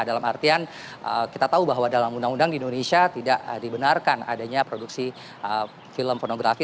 dalam artian kita tahu bahwa dalam undang undang di indonesia tidak dibenarkan adanya produksi film pornografi